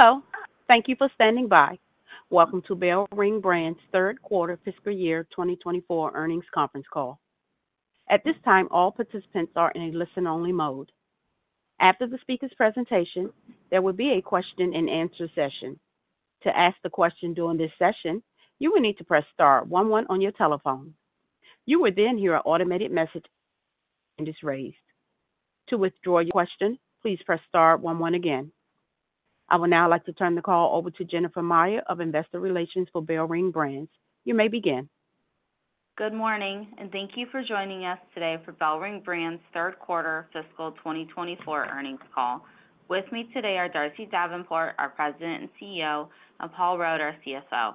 Hello, thank you for standing by. Welcome to BellRing Brands' third quarter fiscal year 2024 earnings conference call. At this time, all participants are in a listen-only mode. After the speaker's presentation, there will be a question-and-answer session. To ask the question during this session, you will need to press star one one on your telephone. You will then hear an automated message and your question is raised. To withdraw your question, please press star one one again. I would now like to turn the call over to Jennifer Meyer of Investor Relations for BellRing Brands. You may begin. Good morning and thank you for joining us today for BellRing Brands' third quarter fiscal 2024 earnings call. With me today are Darcy Davenport, our President and CEO, and Paul Rode, our CFO.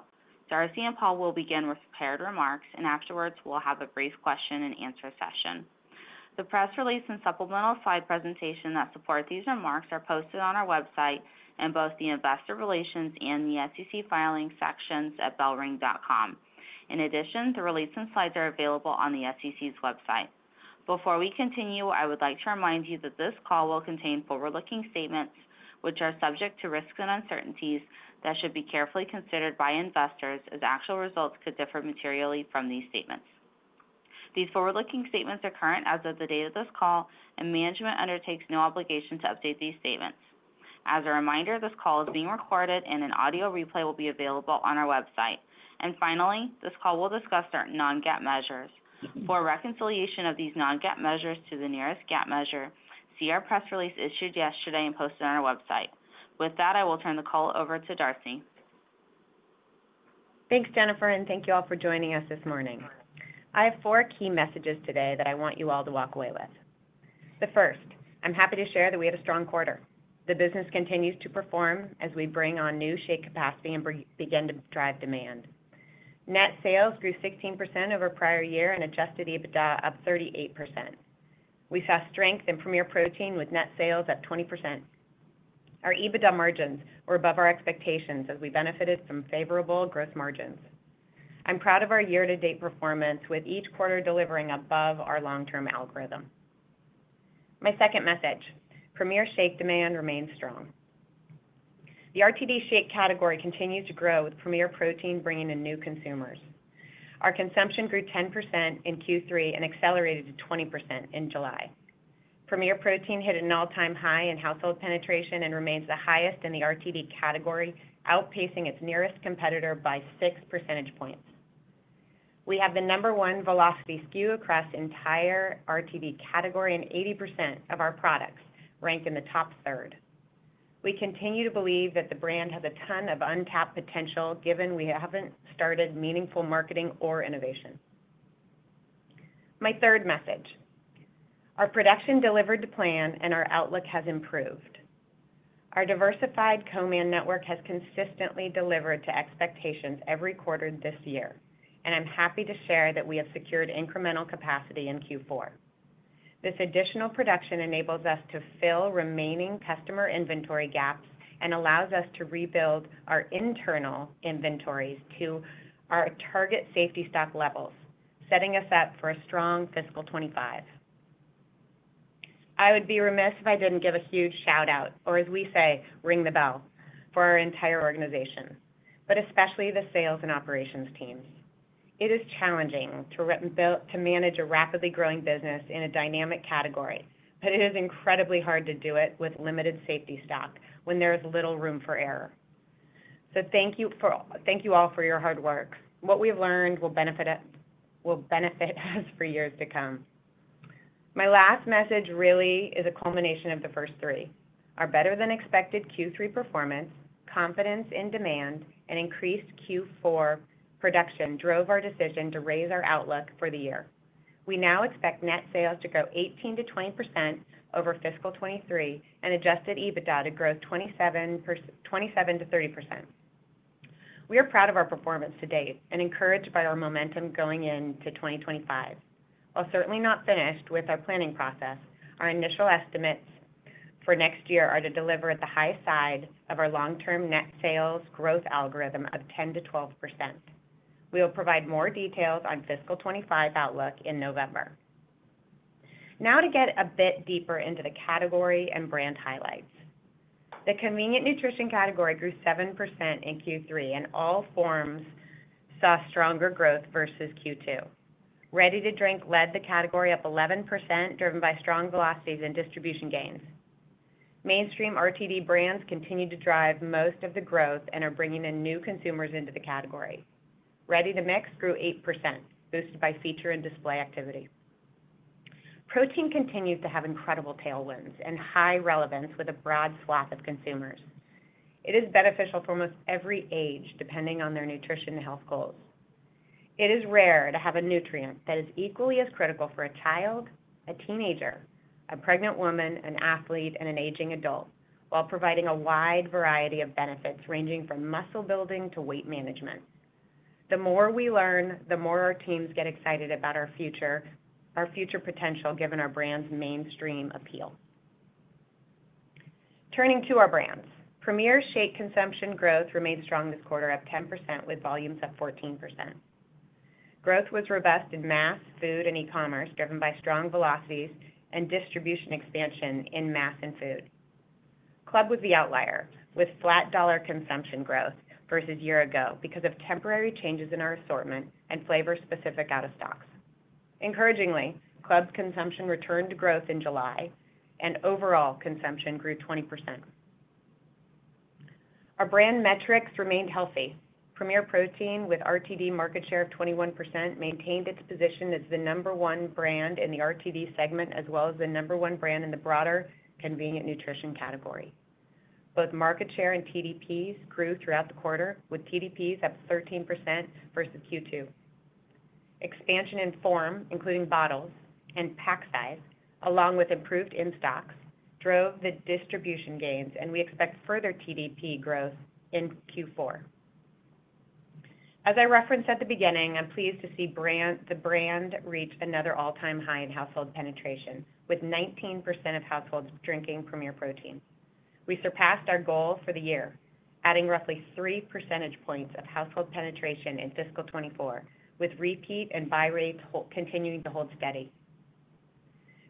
Darcy and Paul will begin with prepared remarks, and afterwards, we'll have a brief question-and-answer session. The press release and supplemental slide presentation that support these remarks are posted on our website in both the investor relations and the SEC filing sections at bellring.com. In addition, the release and slides are available on the SEC's website. Before we continue, I would like to remind you that this call will contain forward-looking statements, which are subject to risks and uncertainties that should be carefully considered by investors, as actual results could differ materially from these statements. These forward-looking statements are current as of the date of this call, and management undertakes no obligation to update these statements. As a reminder, this call is being recorded, and an audio replay will be available on our website. Finally, this call will discuss our non-GAAP measures. For a reconciliation of these non-GAAP measures to the nearest GAAP measure, see our press release issued yesterday and posted on our website. With that, I will turn the call over to Darcy. Thanks, Jennifer, and thank you all for joining us this morning. I have four key messages today that I want you all to walk away with. The first, I'm happy to share that we had a strong quarter. The business continues to perform as we bring on new shake capacity and begin to drive demand. Net sales grew 16% over prior year and adjusted EBITDA up 38%. We saw strength in Premier Protein, with net sales at 20%. Our EBITDA margins were above our expectations as we benefited from favorable gross margins. I'm proud of our year-to-date performance, with each quarter delivering above our long-term algorithm. My second message: Premier shake demand remains strong. The RTD shake category continues to grow, with Premier Protein bringing in new consumers. Our consumption grew 10% in Q3 and accelerated to 20% in July. Premier Protein hit an all-time high in household penetration and remains the highest in the RTD category, outpacing its nearest competitor by six percentage points. We have the number one velocity SKU across the entire RTD category, and 80% of our products rank in the top third. We continue to believe that the brand has a ton of untapped potential, given we haven't started meaningful marketing or innovation. My third message, our production delivered to plan and our outlook has improved. Our diversified co-man network has consistently delivered to expectations every quarter this year, and I'm happy to share that we have secured incremental capacity in Q4. This additional production enables us to fill remaining customer inventory gaps and allows us to rebuild our internal inventories to our target safety stock levels, setting us up for a strong fiscal 2025. I would be remiss if I didn't give a huge shout-out, or as we say, "Ring the bell," for our entire organization, but especially the sales and operations teams. It is challenging to manage a rapidly growing business in a dynamic category, but it is incredibly hard to do it with limited safety stock when there is little room for error. So, thank you for... Thank you all for your hard work. What we've learned will benefit us, will benefit us for years to come. My last message really is a culmination of the first three. Our better-than-expected Q3 performance, confidence in demand, and increased Q4 production drove our decision to raise our outlook for the year. We now expect net sales to grow 18%-20% over fiscal 2023 and adjusted EBITDA to grow 27%-30%. We are proud of our performance to date and encouraged by our momentum going into 2025. While certainly not finished with our planning process, our initial estimates for next year are to deliver at the high side of our long-term net sales growth algorithm of 10%-12%. We will provide more details on fiscal 2025 outlook in November. Now to get a bit deeper into the category and brand highlights. The convenient nutrition category grew 7% in Q3, and all forms saw stronger growth versus Q2. Ready to drink led the category up 11%, driven by strong velocities and distribution gains. Mainstream RTD brands continue to drive most of the growth and are bringing in new consumers into the category. Ready to mix grew 8%, boosted by feature and display activity. Protein continues to have incredible tailwinds and high relevance with a broad swath of consumers. It is beneficial for almost every age, depending on their nutrition and health goals. It is rare to have a nutrient that is equally as critical for a child, a teenager, a pregnant woman, an athlete, and an aging adult, while providing a wide variety of benefits, ranging from muscle building to weight management. The more we learn, the more our teams get excited about our future, our future potential, given our brand's mainstream appeal. Turning to our brands. Premier shake consumption growth remained strong this quarter, up 10%, with volumes up 14%.... Growth was robust in mass, food, and e-commerce, driven by strong velocities and distribution expansion in mass and food. Club was the outlier, with flat dollar consumption growth versus year ago because of temporary changes in our assortment and flavor-specific out-of-stocks. Encouragingly, club consumption returned to growth in July, and overall consumption grew 20%. Our brand metrics remained healthy. Premier Protein, with RTD market share of 21%, maintained its position as the number one brand in the RTD segment, as well as the number one brand in the broader convenient nutrition category. Both market share and TDPs grew throughout the quarter, with TDPs up 13% versus Q2. Expansion in form, including bottles and pack size, along with improved in-stocks, drove the distribution gains, and we expect further TDP growth in Q4. As I referenced at the beginning, I'm pleased to see the brand reach another all-time high in household penetration, with 19% of households drinking Premier Protein. We surpassed our goal for the year, adding roughly 3 percentage points of household penetration in fiscal 2024, with repeat and buy rates holding, continuing to hold steady.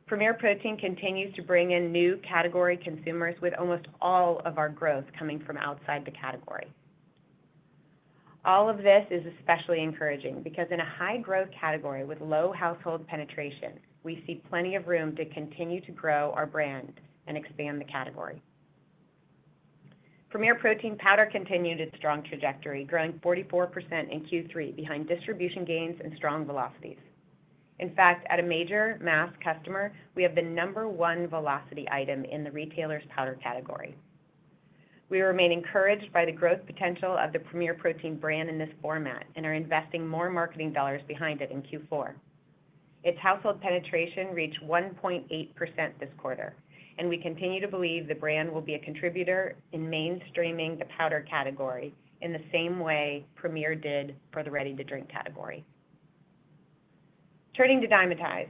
Premier Protein continues to bring in new category consumers, with almost all of our growth coming from outside the category. All of this is especially encouraging, because in a high-growth category with low household penetration, we see plenty of room to continue to grow our brand and expand the category. Premier Protein powder continued its strong trajectory, growing 44% in Q3 behind distribution gains and strong velocities. In fact, at a major mass customer, we have the number one velocity item in the retailer's powder category. We remain encouraged by the growth potential of the Premier Protein brand in this format and are investing more marketing dollars behind it in Q4. Its household penetration reached 1.8% this quarter, and we continue to believe the brand will be a contributor in mainstreaming the powder category in the same way Premier did for the ready-to-drink category. Turning to Dymatize.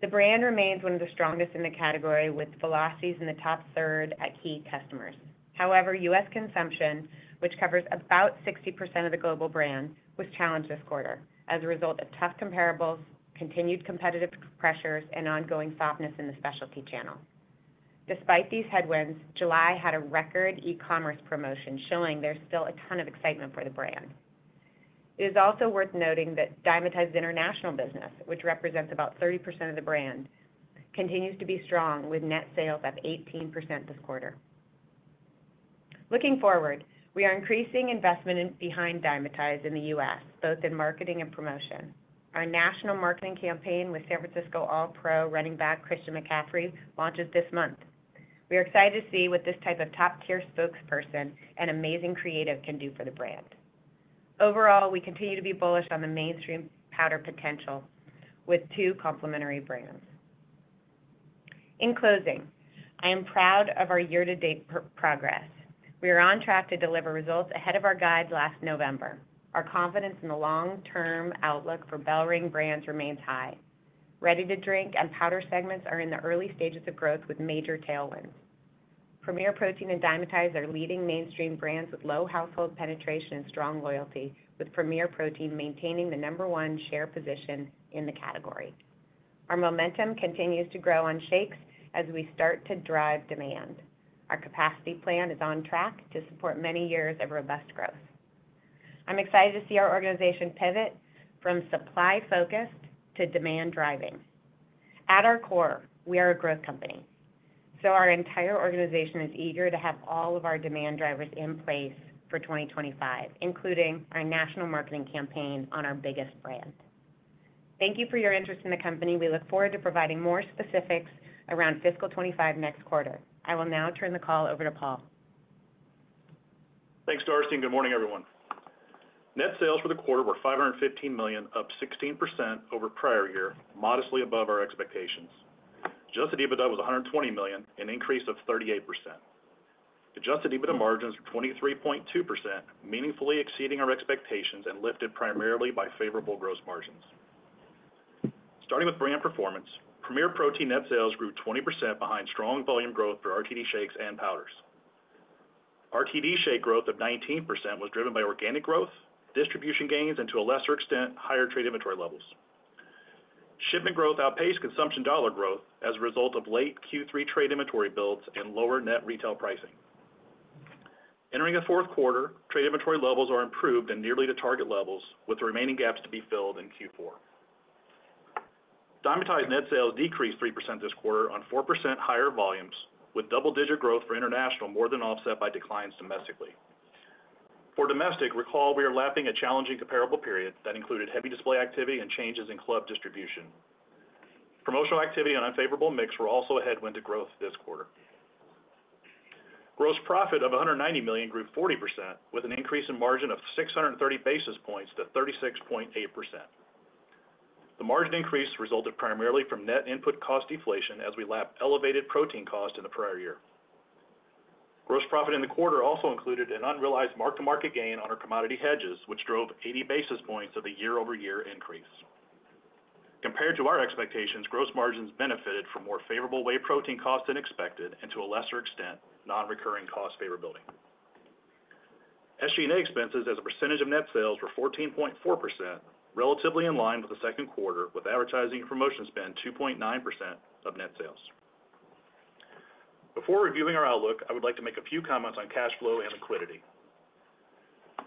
The brand remains one of the strongest in the category, with velocities in the top third at key customers. However, U.S. consumption, which covers about 60% of the global brand, was challenged this quarter as a result of tough comparables, continued competitive pressures, and ongoing softness in the specialty channel. Despite these headwinds, July had a record e-commerce promotion, showing there's still a ton of excitement for the brand. It is also worth noting that Dymatize international business, which represents about 30% of the brand, continues to be strong, with net sales up 18% this quarter. Looking forward, we are increasing investment in behind Dymatize in the U.S., both in marketing and promotion. Our national marketing campaign with San Francisco All-Pro running back Christian McCaffrey launches this month. We are excited to see what this type of top-tier spokesperson and amazing creative can do for the brand. Overall, we continue to be bullish on the mainstream powder potential with two complementary brands. In closing, I am proud of our year-to-date progress. We are on track to deliver results ahead of our guide last November. Our confidence in the long-term outlook for BellRing Brands remains high. Ready to drink and powder segments are in the early stages of growth with major tailwinds. Premier Protein and Dymatize are leading mainstream brands with low household penetration and strong loyalty, with Premier Protein maintaining the number one share position in the category. Our momentum continues to grow on shakes as we start to drive demand. Our capacity plan is on track to support many years of robust growth. I'm excited to see our organization pivot from supply-focused to demand-driving. At our core, we are a growth company, so our entire organization is eager to have all of our demand drivers in place for 2025, including our national marketing campaign on our biggest brand. Thank you for your interest in the company. We look forward to providing more specifics around fiscal 2025 next quarter. I will now turn the call over to Paul. Thanks, Darcy, and good morning, everyone. Net sales for the quarter were $515 million, up 16% over prior year, modestly above our expectations. Adjusted EBITDA was $120 million, an increase of 38%. Adjusted EBITDA margins were 23.2%, meaningfully exceeding our expectations and lifted primarily by favorable gross margins. Starting with brand performance, Premier Protein net sales grew 20% behind strong volume growth for RTD shakes and powders. RTD shake growth of 19% was driven by organic growth, distribution gains, and to a lesser extent, higher trade inventory levels. Shipment growth outpaced consumption dollar growth as a result of late Q3 trade inventory builds and lower net retail pricing. Entering the fourth quarter, trade inventory levels are improved and nearly to target levels, with the remaining gaps to be filled in Q4. Dymatize net sales decreased 3% this quarter on 4% higher volumes, with double-digit growth for international more than offset by declines domestically. For domestic, recall, we are lapping a challenging comparable period that included heavy display activity and changes in club distribution. Promotional activity and unfavorable mix were also a headwind to growth this quarter. Gross profit of $190 million grew 40%, with an increase in margin of 630 basis points to 36.8%. The margin increase resulted primarily from net input cost deflation as we lapped elevated protein cost in the prior year. Gross profit in the quarter also included an unrealized mark-to-market gain on our commodity hedges, which drove 80 basis points of the year-over-year increase. Compared to our expectations, gross margins benefited from more favorable whey protein cost than expected and to a lesser extent, nonrecurring cost favorability. SG&A expenses as a percentage of net sales were 14.4%, relatively in line with the second quarter, with advertising and promotion spend 2.9% of net sales. Before reviewing our outlook, I would like to make a few comments on cash flow and liquidity.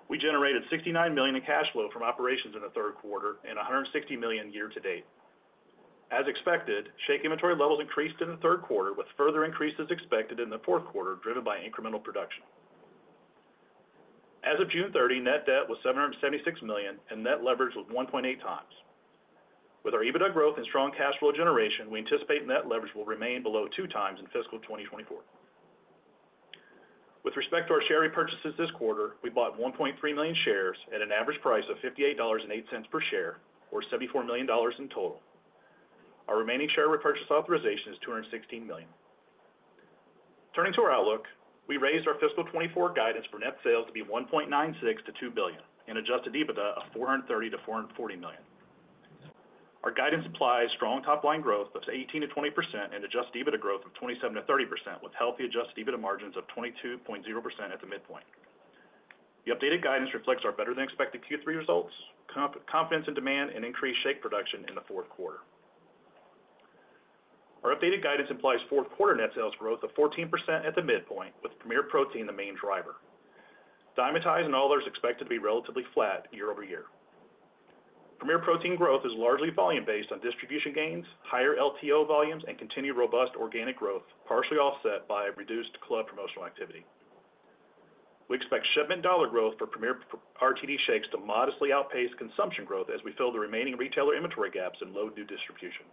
We generated $69 million in cash flow from operations in the third quarter and $160 million year-to-date. As expected, shake inventory levels increased in the third quarter, with further increases expected in the fourth quarter, driven by incremental production. As of June 30, net debt was $776 million, and net leverage was 1.8 times. With our EBITDA growth and strong cash flow generation, we anticipate net leverage will remain below 2x in fiscal 2024. With respect to our share repurchases this quarter, we bought 1.3 million shares at an average price of $58.08 per share, or $74 million in total. Our remaining share repurchase authorization is $216 million. Turning to our outlook, we raised our fiscal 2024 guidance for net sales to be $1.96 billion-$2 billion and adjusted EBITDA of $430 million-$440 million. Our guidance implies strong top line growth of 18%-20% and adjusted EBITDA growth of 27%-30%, with healthy adjusted EBITDA margins of 22.0% at the midpoint. The updated guidance reflects our better-than-expected Q3 results, confidence in demand and increased shake production in the fourth quarter. Our updated guidance implies fourth quarter net sales growth of 14% at the midpoint, with Premier Protein, the main driver. Dymatize and all others expected to be relatively flat year-over-year. Premier Protein growth is largely volume-based on distribution gains, higher LTO volumes, and continued robust organic growth, partially offset by reduced club promotional activity. We expect shipment dollar growth for Premier RTD shakes to modestly outpace consumption growth as we fill the remaining retailer inventory gaps and load new distribution.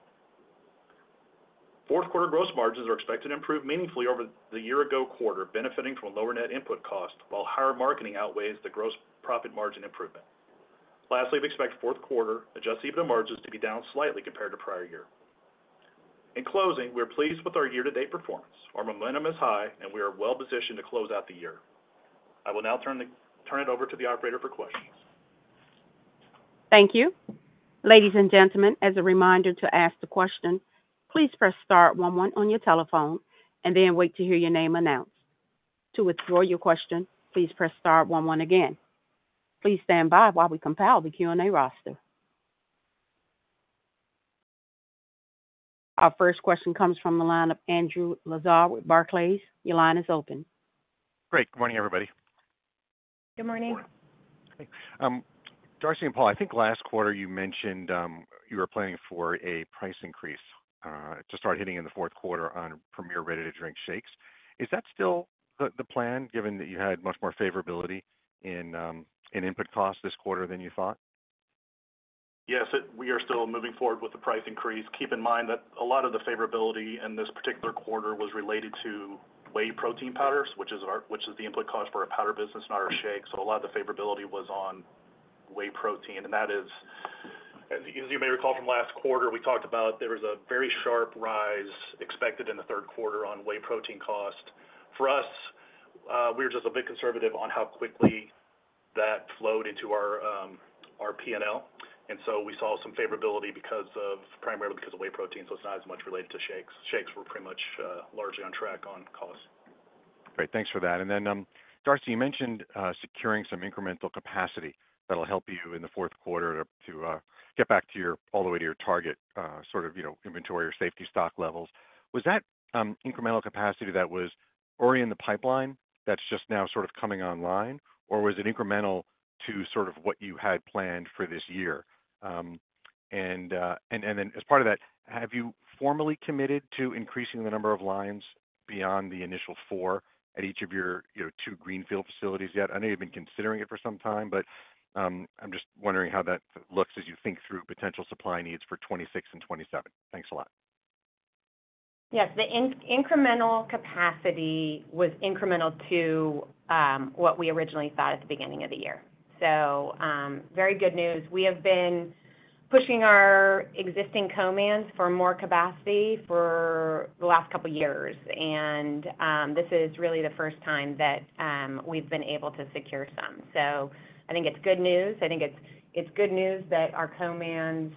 Fourth quarter gross margins are expected to improve meaningfully over the year-ago quarter, benefiting from lower net input costs, while higher marketing outweighs the gross profit margin improvement. Lastly, we expect 4th quarter Adjusted EBITDA margins to be down slightly compared to prior year. In closing, we are pleased with our year-to-date performance. Our momentum is high, and we are well-positioned to close out the year. I will now turn it over to the operator for questions. Thank you. Ladies and gentlemen, as a reminder to ask the question, please press *1 1 on your telephone and then wait to hear your name announced. To withdraw your question, please press *1 1 again. Please stand by while we compile the Q&A roster. Our first question comes from the line of Andrew Lazar with Barclays. Your line is open. Great. Good morning, everybody. Good morning. Darcy and Paul, I think last quarter you mentioned, you were planning for a price increase, to start hitting in the fourth quarter on Premier Ready to Drink shakes. Is that still the, the plan, given that you had much more favorability in, in input costs this quarter than you thought? Yes. We are still moving forward with the price increase. Keep in mind that a lot of the favorability in this particular quarter was related to whey protein powders, which is the input cost for our powder business, not our shakes. So a lot of the favorability was on whey protein, and that is, as you may recall from last quarter, we talked about there was a very sharp rise expected in the third quarter on whey protein cost. For us, we were just a bit conservative on how quickly that flowed into our, our P&L. And so we saw some favorability because of, primarily because of whey protein, so it's not as much related to shakes. Shakes were pretty much, largely on track on cost. Great, thanks for that. And then, Darcy, you mentioned securing some incremental capacity that'll help you in the fourth quarter to get back to your, all the way to your target, sort of, you know, inventory or safety stock levels. Was that incremental capacity that was already in the pipeline that's just now sort of coming online? Or was it incremental to sort of what you had planned for this year? And then as part of that, have you formally committed to increasing the number of lines beyond the initial 4 at each of your, you know, 2 greenfield facilities yet? I know you've been considering it for some time, but I'm just wondering how that looks as you think through potential supply needs for 2026 and 2027. Thanks a lot. Yes, the incremental capacity was incremental to what we originally thought at the beginning of the year. So, very good news. We have been pushing our existing co-mans for more capacity for the last couple of years, and this is really the first time that we've been able to secure some. So I think it's good news. I think it's, it's good news that our co-mans,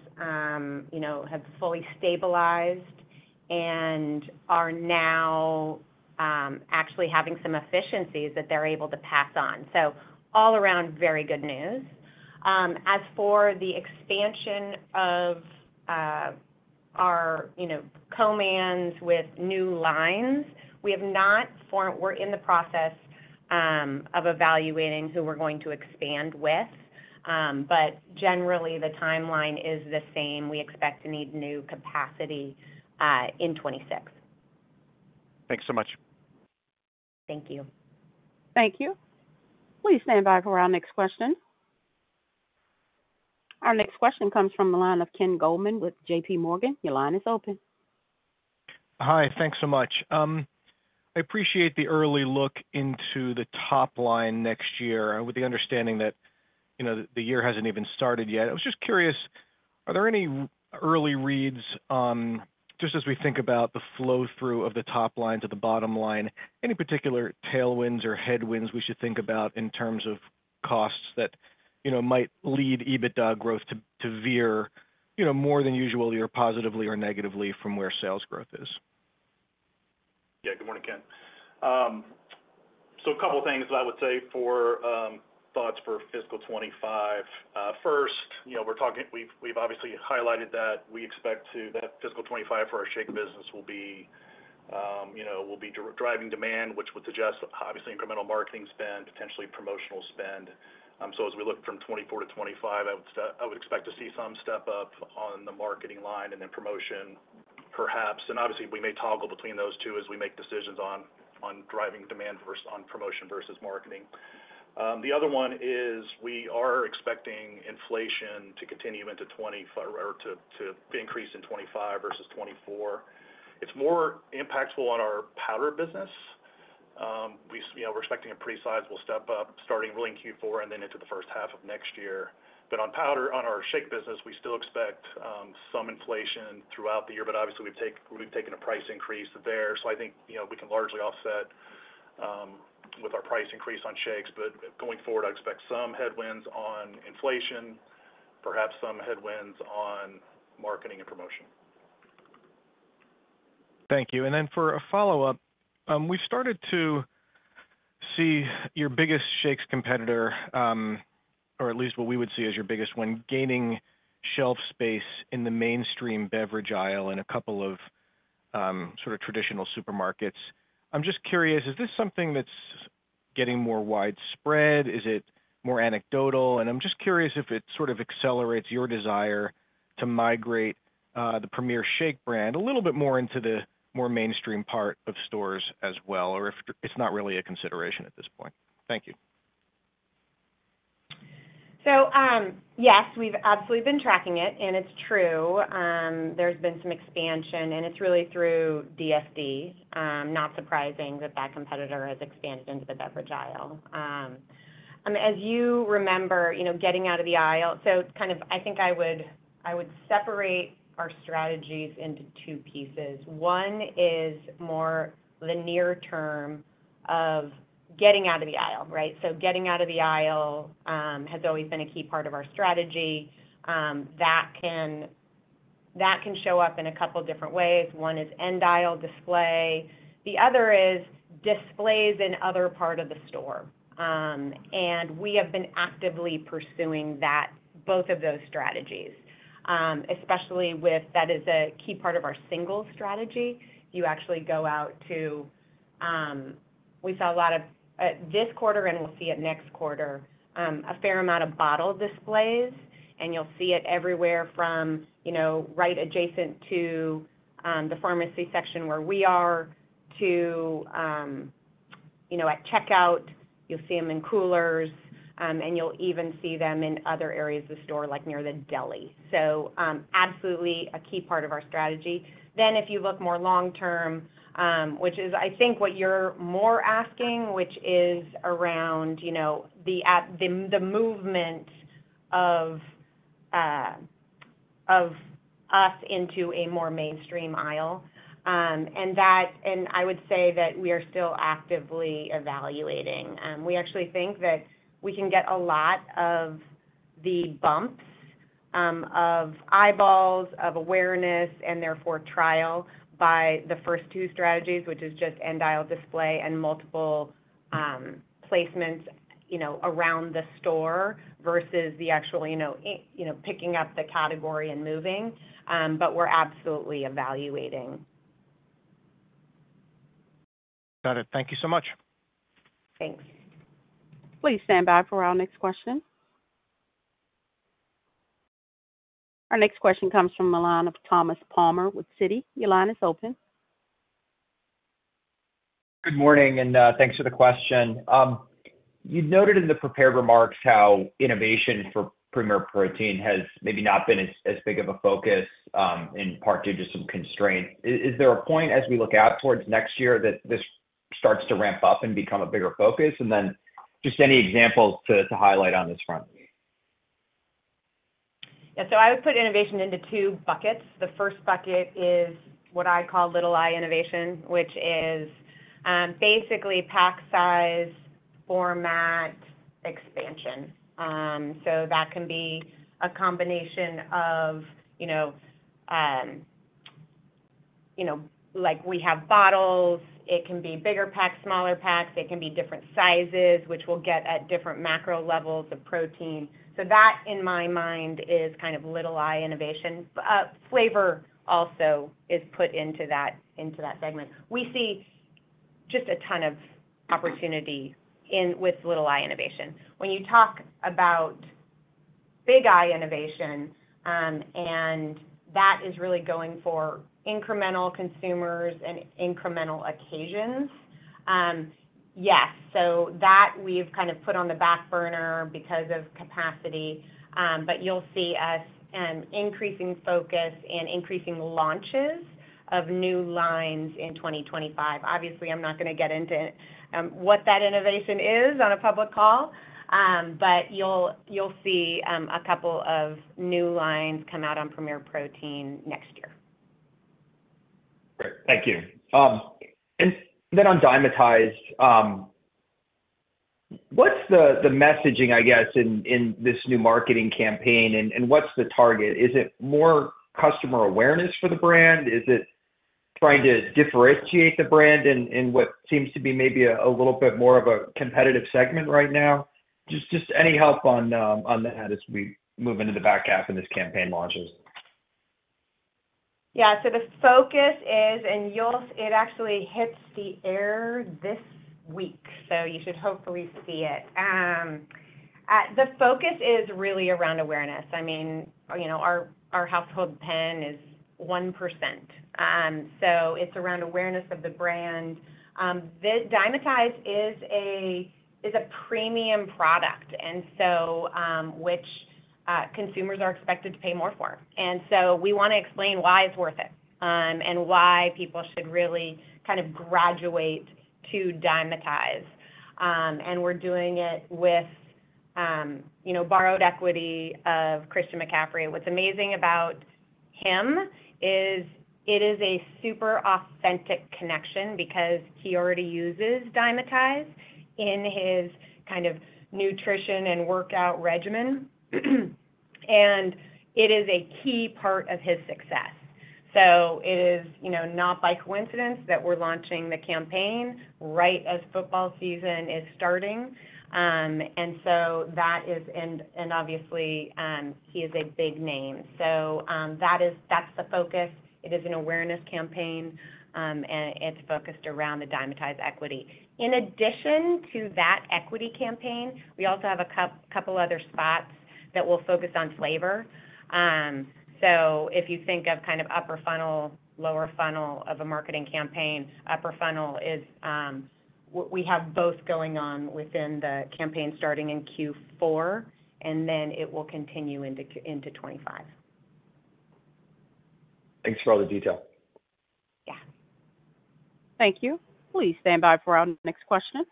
you know, have fully stabilized and are now actually having some efficiencies that they're able to pass on. So all around, very good news. As for the expansion of our, you know, co-mans with new lines, we're in the process of evaluating who we're going to expand with. But generally, the timeline is the same. We expect to need new capacity in 2026. Thanks so much. Thank you. Thank you. Please stand by for our next question. Our next question comes from the line of Ken Goldman with J.P. Morgan. Your line is open. Hi, thanks so much. I appreciate the early look into the top line next year, with the understanding that, you know, the year hasn't even started yet. I was just curious, are there any early reads on, just as we think about the flow-through of the top line to the bottom line, any particular tailwinds or headwinds we should think about in terms of... costs that, you know, might lead EBITDA growth to, to veer, you know, more than usual, either positively or negatively from where sales growth is? Yeah. Good morning, Ken. So, a couple of things I would say for thoughts for fiscal 25. First, you know, we've obviously highlighted that we expect that fiscal 25 for our shake business will be, you know, will be driving demand, which would suggest, obviously, incremental marketing spend, potentially promotional spend. So, as we look from 24 to 25, I would say, I would expect to see some step up on the marketing line and then promotion, perhaps. And obviously, we may toggle between those two as we make decisions on driving demand versus on promotion versus marketing. The other one is we are expecting inflation to continue into 25 or to increase in 25 versus 24. It's more impactful on our powder business. We, you know, we're expecting a pretty sizable step up, starting really in Q4 and then into the first half of next year. But on powder, on our shake business, we still expect some inflation throughout the year, but obviously, we've taken a price increase there. So, I think, you know, we can largely offset with our price increase on shakes. But going forward, I expect some headwinds on inflation, perhaps some headwinds on marketing and promotion. Thank you. And then for a follow-up, we started to see your biggest shakes competitor, or at least what we would see as your biggest one, gaining shelf space in the mainstream beverage aisle in a couple of sorts of traditional supermarkets. I'm just curious, is this something that's getting more widespread? Is it more anecdotal? And I'm just curious if it sort of accelerates your desire to migrate the Premier shake brand a little bit more into the more mainstream part of stores as well, or if it's not really a consideration at this point. Thank you. So, yes, we've absolutely been tracking it, and it's true. There's been some expansion, and it's really through DSD. Not surprising that that competitor has expanded into the beverage aisle. As you remember, you know, getting out of the aisle... So, kind of, I think I would separate our strategies into two pieces. One is more the near term of getting out of the aisle, right? So, getting out of the aisle has always been a key part of our strategy, that can show up in a couple different ways. One is end aisle display, the other is displays in other part of the store. And we have been actively pursuing that, both of those strategies, especially with that is a key part of our singles strategy. You actually go out to, we saw a lot of this quarter, and we'll see it next quarter, a fair amount of bottle displays, and you'll see it everywhere from, you know, right adjacent to the pharmacy section where we are, to, you know, at checkout. You'll see them in coolers, and you'll even see them in other areas of the store, like near the deli. So, absolutely a key part of our strategy. Then if you look more long term, which is I think what you're more asking, which is around, you know, the at-the, the movement of us into a more mainstream aisle, and that... And I would say that we are still actively evaluating. We actually think that we can get a lot of the bumps of eyeballs of awareness, and therefore trial by the first two strategies, which is just end aisle display and multiple placements, you know, around the store versus the actual, you know, picking up the category and moving. But we're absolutely evaluating. Got it. Thank you so much. Thanks. Please stand by for our next question. Our next question comes from the line of Thomas Palmer with Citi. Your line is open. Good morning, and thanks for the question. You noted in the prepared remarks how innovation for Premier Protein has maybe not been as big of a focus, in part due to some constraints. Is there a point as we look out towards next year that this starts to ramp up and become a bigger focus? And then just any examples to highlight on this front? Yeah, so I would put innovation into two buckets. The first bucket is what I call little I innovation, which is, basically pack size, format, expansion. So that can be a combination of, you know, you know, like we have bottles, it can be bigger packs, smaller packs, it can be different sizes, which we'll get at different macro levels of protein. So that, in my mind, is kind of little I innovation. But flavor also is put into that, into that segment. We see just a ton of opportunity in with little I innovation. When you talk about big I innovation, and that is really going for incremental consumers and incremental occasions. Yes, so that we've kind of put on the back burner because of capacity. But you'll see us, increasing focus and increasing launches of new lines in 2025. Obviously, I'm not gonna get into what that innovation is on a public call, but you'll, you'll see a couple of new lines come out on Premier Protein next year. Thank you. And then on Dymatize, what's the messaging, I guess, in this new marketing campaign, and what's the target? Is it more customer awareness for the brand? Is it trying to differentiate the brand in what seems to be maybe a little bit more of a competitive segment right now? Just any help on that as we move into the back half, and this campaign launches. Yeah, so the focus is, and you'll, it actually hits the air this week, so you should hopefully see it. The focus is really around awareness. I mean, you know, our, our household pen is 1%. So, it's around awareness of the brand. The Dymatize is a, is a premium product, and so, which, consumers are expected to pay more for. And so, we wanna explain why it's worth it, and why people should really kind of graduate to Dymatize. And we're doing it with, you know, borrowed equity of Christian McCaffrey. What's amazing about him is, it is a super authentic connection because he already uses Dymatize in his kind of nutrition and workout regimen, and it is a key part of his success. So it is, you know, not by coincidence that we're launching the campaign right as football season is starting. And so that is... And, and obviously, he is a big name. So, that is- that's the focus. It is an awareness campaign, and it's focused around the Dymatize equity. In addition to that equity campaign, we also have a couple other spots that will focus on flavor. So, if you think of kind of upper funnel, lower funnel of a marketing campaign, upper funnel is, we have both going on within the campaign starting in Q4, and then it will continue into 2025. Thanks for all the detail. Yeah. Thank you. Please stand by for our next question.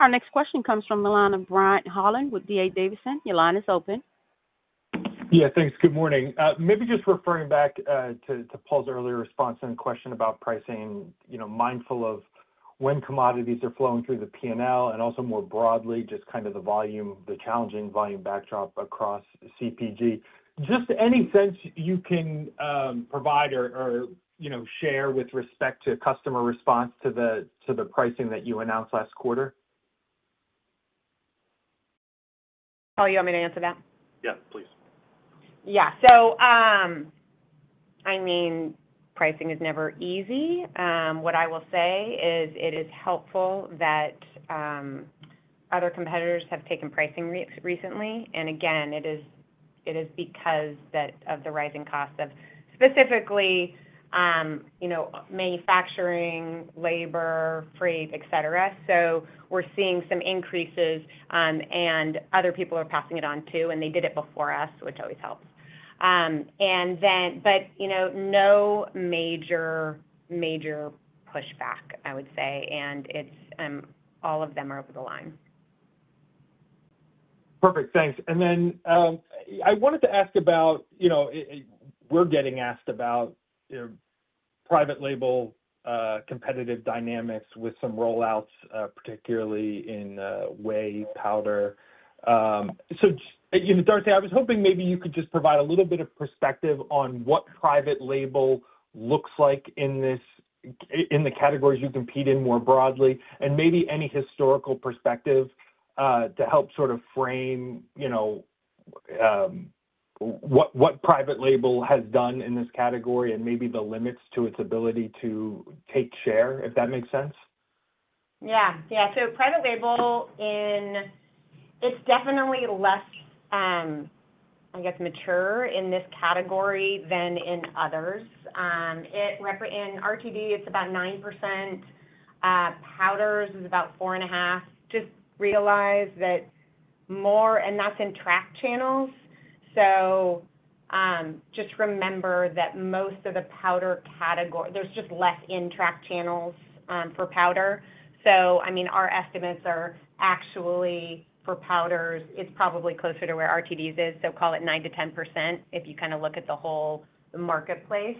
Our next question comes from Brian Holland with D.A. Davidson. Your line is open. Yeah, thanks. Good morning. Maybe just referring back to Paul's earlier response and question about pricing, you know, mindful of when commodities are flowing through the P&L, and also more broadly, just kind of the volume, the challenging volume backdrop across CPG. Just any sense you can provide or, you know, share with respect to customer response to the pricing that you announced last quarter? Paul, you want me to answer that? Yeah, please. Yeah. So, I mean, pricing is never easy. What I will say is, it is helpful that other competitors have taken pricing recently. And again, it is because of the rising cost of specifically, you know, manufacturing, labor, freight, et cetera. So, we're seeing some increases, and other people are passing it on, too, and they did it before us, which always helps. You know, no major pushback, I would say, and it's all of them are over the line. Perfect. Thanks. Then, I wanted to ask about, you know, we're getting asked about, you know, private label, competitive dynamics with some rollouts, particularly in, whey powder. So, you know, Darcy, I was hoping maybe you could just provide a little bit of perspective on what private label looks like in this, in the categories you compete in more broadly, and maybe any historical perspective, to help sort of frame, you know, what, what private label has done in this category and maybe the limits to its ability to take share, if that makes sense? Yeah. Yeah, so private label in. It's definitely less, I guess, mature in this category than in others. It represents in RTD, it's about 9%, powders is about 4.5. Just realize that more, and that's in tracked channels. So, just remember that most of the powder category, there's just less in tracked channels, for powder. So, I mean, our estimates are actually, for powders, it's probably closer to where RTDs is, so call it 9%-10%, if you kind of look at the whole marketplace.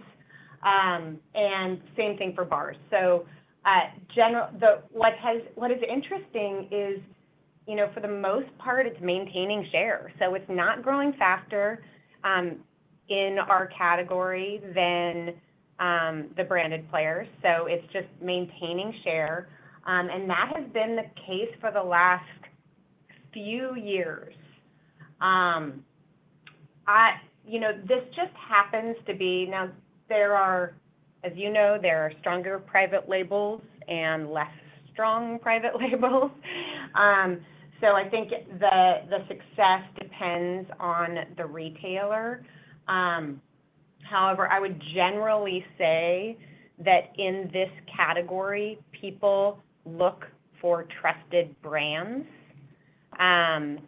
And same thing for bars. So, generally, what is interesting is, you know, for the most part, it's maintaining share. So, it's not growing faster, in our category than, the branded players, so it's just maintaining share. That has been the case for the last few years. You know, this just happens to be. Now, there are, as you know, there are stronger private labels and less strong private labels. So, I think the success depends on the retailer. However, I would generally say that in this category, people look for trusted brands, and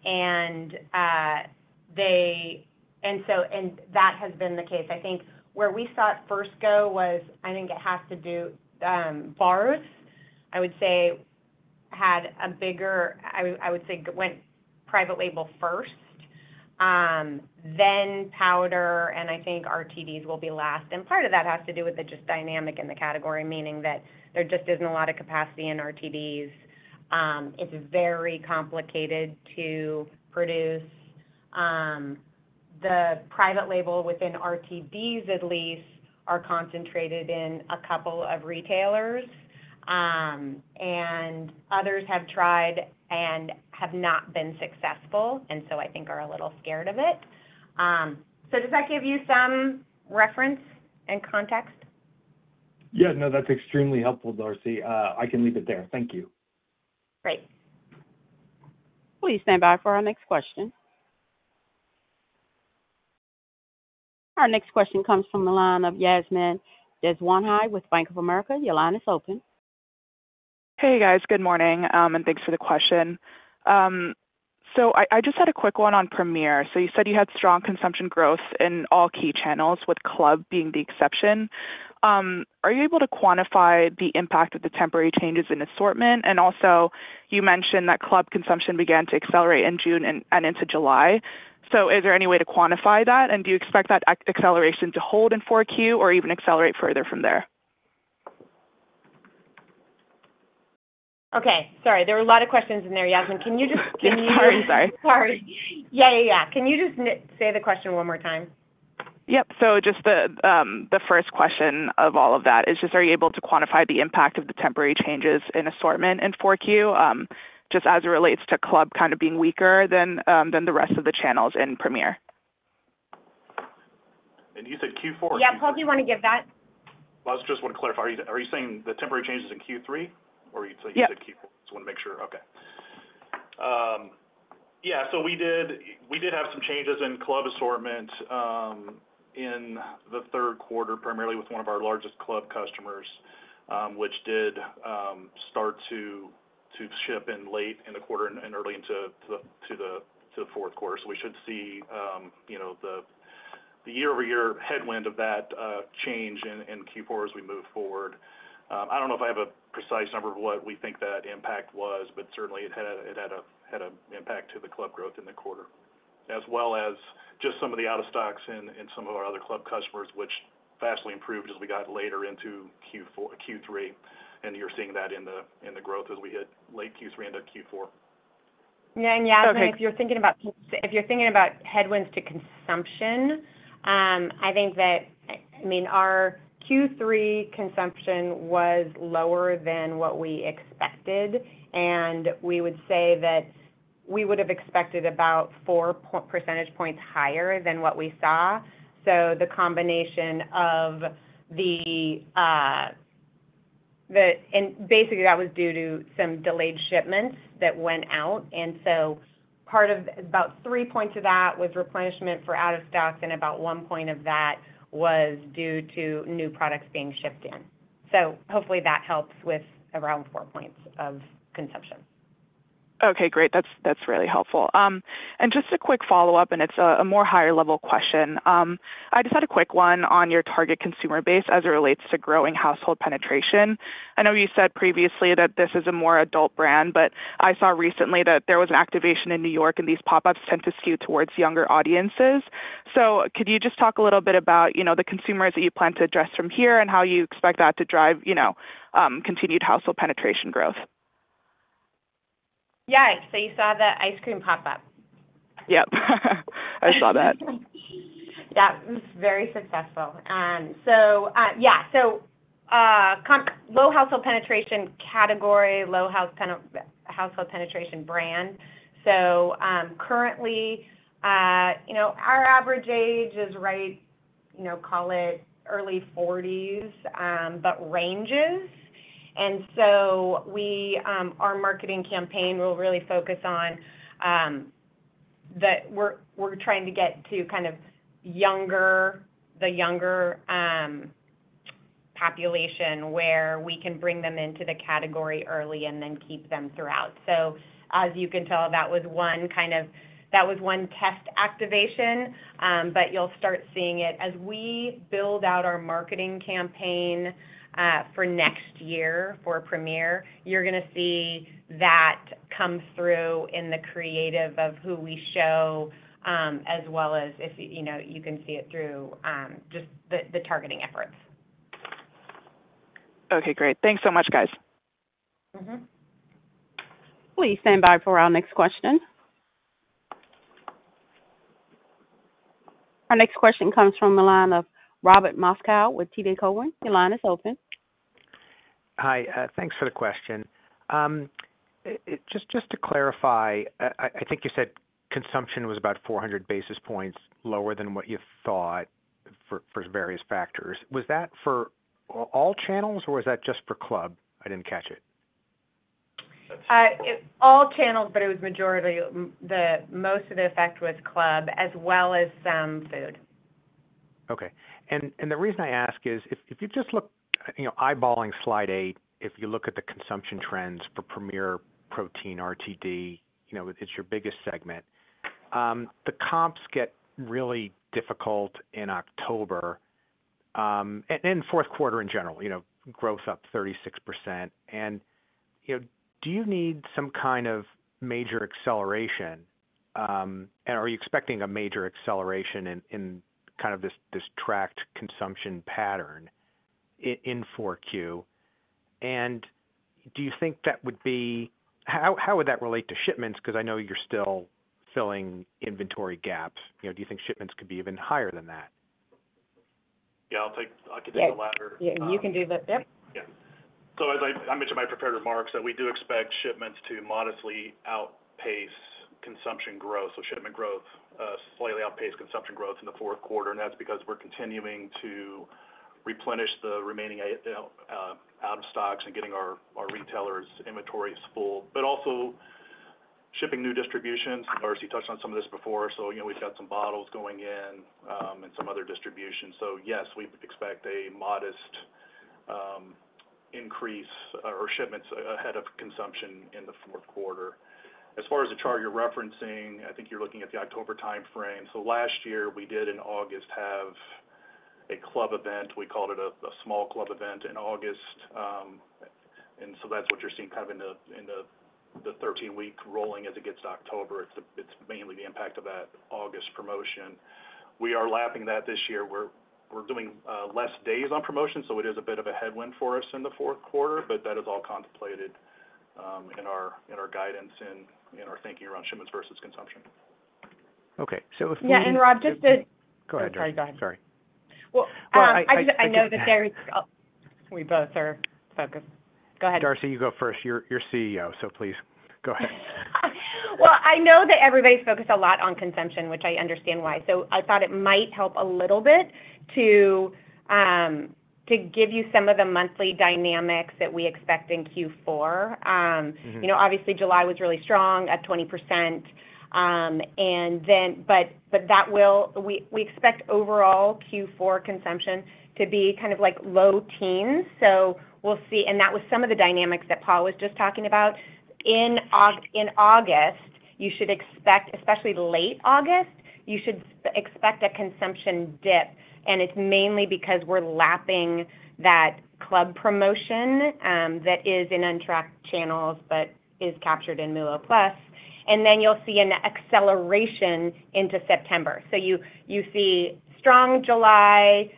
they. And that has been the case. I think where we saw it first go was. I think it has to do bars, I would say had a bigger, I would say went private label first, then powder, and I think RTDs will be last. And part of that has to do with the just dynamic in the category, meaning that there just isn't a lot of capacity in RTDs. It's very complicated to produce the private label within RTDs, at least, are concentrated in a couple of retailers. And others have tried and have not been successful, and so I think are a little scared of it. So does that give you some reference and context? Yeah, no, that's extremely helpful, Darcy. I can leave it there. Thank you. Great. Please stand by for our next question. Our next question comes from the line of Bryan Spillane with Bank of America. Your line is open. Hey, guys. Good morning, and thanks for the question. So, I just had a quick one on Premier. So, you said you had strong consumption growth in all key channels, with club being the exception. Are you able to quantify the impact of the temporary changes in assortment? And also, you mentioned that club consumption began to accelerate in June and into July. So, is there any way to quantify that? And do you expect that acceleration to hold in 4Q or even accelerate further from there? Okay, sorry. There were a lot of questions in there, Bryan. Can you just- I'm sorry. Sorry. Yeah, yeah, yeah. Can you just say the question one more time? Yep. So just the first question of all of that is just, are you able to quantify the impact of the temporary changes in assortment in 4Q, just as it relates to club kind of being weaker than the rest of the channels in Premier? You said Q4? Yeah. Paul, do you want to give that? Well, I just want to clarify. Are you, are you saying the temporary changes in Q3, or you said Q4? Yep. Just wanna make sure. Okay. Yeah, so we did, we did have some changes in club assortment in the third quarter, primarily with one of our largest club customers, which did start to ship in late in the quarter and early into the fourth quarter. So, we should see, you know, the year-over-year headwind of that change in Q4 as we move forward. I don't know if I have a precise number of what we think that impact was, but certainly it had an impact to the club growth in the quarter, as well as just some of the out-of-stocks in some of our other club customers, which vastly improved as we got later into Q4-Q3, and you're seeing that in the growth as we hit late Q3 into Q4. Yeah, and Bryan- Okay. If you're thinking about headwinds to consumption, I think that, I mean, our Q3 consumption was lower than what we expected, and we would say that we would have expected about 4 percentage points higher than what we saw. So, the combination of the. And basically, that was due to some delayed shipments that went out. And so, part of about 3 points of that was replenishment for out of stock, and about 1 point of that was due to new products being shipped in. So hopefully that helps with around 4 points of consumption. Okay, great. That's, that's really helpful. And just a quick follow-up, and it's a, a more higher-level question. I just had a quick one on your target consumer base as it relates to growing household penetration. I know you said previously that this is a more adult brand, but I saw recently that there was an activation in New York, and these pop-ups tend to skew towards younger audiences. So, could you just talk a little bit about, you know, the consumers that you plan to address from here and how you expect that to drive, you know, continued household penetration growth? Yeah. So you saw the ice cream pop-up? Yep. I saw that. That was very successful. So, yeah. So, low household penetration category, low household penetration brand. So, currently, you know, our average age is right, you know, call it early forties, but ranges. And so we, our marketing campaign will really focus on that we're, we're trying to get to kind of the younger population, where we can bring them into the category early and then keep them throughout. So as you can tell, that was one kind of test activation. But you'll start seeing it. As we build out our marketing campaign for next year for Premier, you're gonna see that come through in the creative of who we show, as well as if, you know, you can see it through just the targeting efforts. Okay, great. Thanks so much, guys. Mm-hmm. Please stand by for our next question. Our next question comes from the line of Robert Moskow with TD Cowen. Your line is open. Hi, thanks for the question. Just to clarify, I think you said consumption was about 400 basis points lower than what you thought for various factors. Was that for all channels, or was that just for club? I didn't catch it. All channels, but it was majority, the most of the effect was club as well as some food. Okay. And the reason I ask is, if you just look, you know, eyeballing slide 8, if you look at the consumption trends for Premier Protein RTD, you know, it's your biggest segment. The comps get really difficult in October and fourth quarter in general, you know, growth up 36%. And, you know, do you need some kind of major acceleration, and are you expecting a major acceleration in kind of this tracked consumption pattern in 4Q? And do you think that would be? How would that relate to shipments? Because I know you're still filling inventory gaps. You know, do you think shipments could be even higher than that? Yeah, I can take the latter. Yeah, you can do that. Yep. Yeah. So, as I mentioned in my prepared remarks that we do expect shipments to modestly outpace consumption growth. So, shipment growth slightly outpaced consumption growth in the fourth quarter, and that's because we're continuing to replenish the remaining out of stocks and getting our retailers' inventories full but also shipping new distributions. Darcy touched on some of this before, so you know, we've got some bottles going in, and some other distributions. So yes, we expect a modest increase or shipments ahead of consumption in the fourth quarter. As far as the chart you're referencing, I think you're looking at the October timeframe. So last year, we did in August, have a club event. We called it a small club event in August. And so that's what you're seeing kind of in the 13-week rolling as it gets to October. It's mainly the impact of that August promotion. We are lapping that this year. We're doing less days on promotion, so it is a bit of a headwind for us in the fourth quarter, but that is all contemplated in our guidance and in our thinking around shipments versus consumption. Okay, so if we- Yeah, and Rod, just to- Go ahead, Darcy. Sorry, go ahead. Sorry. Well, I know that there... We both are focused. Go ahead. Darcy, you go first. You're CEO, so please go ahead. Well, I know that everybody's focused a lot on consumption, which I understand why. So I thought it might help a little bit to give you some of the monthly dynamics that we expect in Q4. Mm-hmm. You know, obviously July was really strong at 20%, and then... But, but that will-- we, we expect overall Q4 consumption to be kind of like low teens, so we'll see. And that was some of the dynamics that Paul was just talking about. In August, you should expect, especially late August, you should expect a consumption dip, and it's mainly because we're lapping that club promotion, that is in untracked channels, but is captured in MULO+, and then you'll see an acceleration into September. So, you, you see strong July,